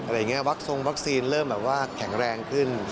อย่างนี้วักทรงวัคซีนเริ่มแบบว่าแข็งแรงขึ้น